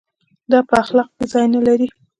دا په اخلاق کې ځای نه لري.